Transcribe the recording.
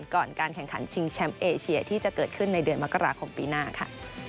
ก่อนการแข่งขันชิงแชมป์เอเชียที่จะเกิดขึ้นในเดือนมกราคมปีหน้าค่ะ